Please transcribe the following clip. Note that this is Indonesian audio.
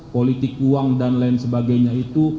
politik uang dan lain sebagainya itu